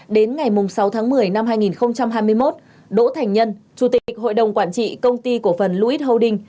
đến ngày sáu tháng một mươi năm hai nghìn hai mươi một đỗ thành nhân chủ tịch hội đồng quản trị công ty cổ phần luid holding